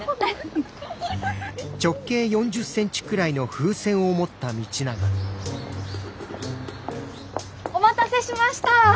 フフフ。お待たせしました！